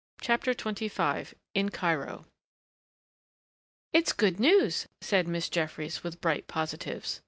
CHAPTER XXV IN CAIRO "It's good news!" said Miss Jeffries with bright positives.